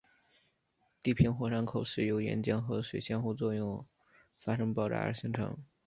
低平火山口是由岩浆和水相互作用发生爆炸而形成。